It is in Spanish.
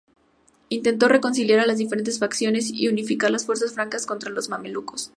Intentó reconciliar a las diferentes facciones y unificar las fuerzas francas contra los mamelucos.